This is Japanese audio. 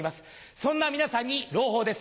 そんな皆さんに朗報です。